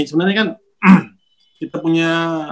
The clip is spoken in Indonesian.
sebenarnya kan kita punya